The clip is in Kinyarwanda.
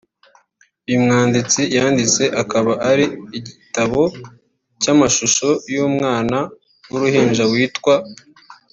uyu mwanditsi yanditse akaba ari igitabo cy’amashusho y’umwana w’uruhinja witwa